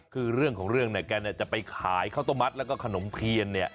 คือเรื่องของเรื่องเนี่ยแกจะไปขายข้าวต้มมัดแล้วก็ขนมเทียนเนี่ย